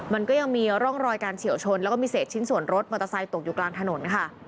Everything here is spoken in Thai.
มันก็ยังมีร่องรอยการเฉียวชนแล้วก็มีเศษชิ้นส่วนรถมอเตอร์ไซค์ตกอยู่กลางถนนค่ะ